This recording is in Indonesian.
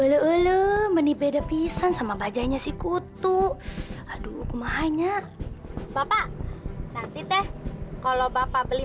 ulu ulu menipede pisan sama pajaknya si kutu aduh kemahannya bapak nanti teh kalau bapak beli